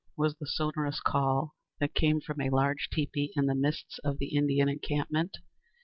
was the sonorous call that came from a large teepee in the midst of the Indian encampment.